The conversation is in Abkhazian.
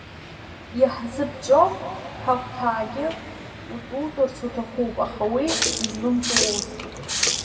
Иаҳзыԥҵәо ҳахәҭаагьы утәутәырц уҭахуп, аха уи излымҵуа усуп!